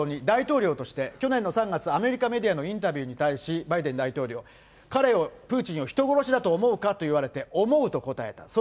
大統領として、去年の３月、アメリカメディアのインタビューに対し、バイデン大統領、彼を、プーチンを人殺しだと思うか？と言われて、思うと答えた。